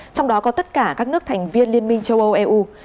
trong đó có tất cả các nước thành viên liên minh châu âu eu